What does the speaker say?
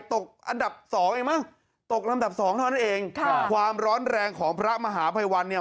ตกอันดับสองเองมั้งตกลำดับสองเท่านั้นเองค่ะความร้อนแรงของพระมหาภัยวันเนี่ย